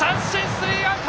スリーアウト！